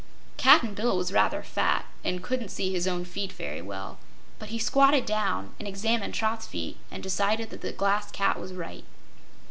Cap'n Bill was rather fat and couldn't see his own feet very well, but he squatted down and examined Trot's feet and decided that the Glass Cat was right.